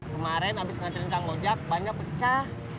kemaren abis ngantriin kang mojak bahannya pecah